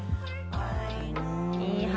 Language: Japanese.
いい話。